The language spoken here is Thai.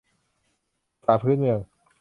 ภาษาพื้นเมือง